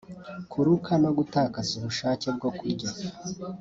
kuruka no gutakaza ubushake bwo kurya